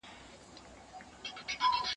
هغه څوک چي وخت تېروي منظم وي!!